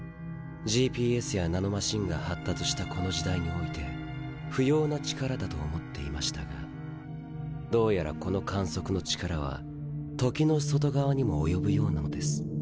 ＧＰＳやナノマシンが発達したこの時代において不要な力だと思っていましたがどうやらこの観測の力は時の外側にも及ぶようなのです。